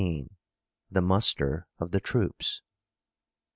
THE MUSTER OF THE TROOPS.